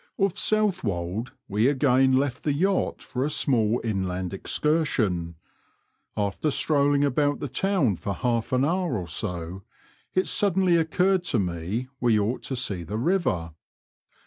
Off Southwold we again left the yacht for a small inland excursion. After strolling about the town for half an hour or so, it suddenly occurred to me we ought to see the river.